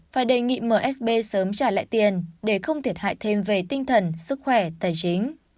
phải đề nghị msb sớm trả lại tiền để không thiệt hại thêm về tinh thần sức khỏe tài chính